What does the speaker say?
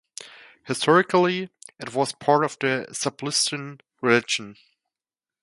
Historically, it was part of the Zabulistan region.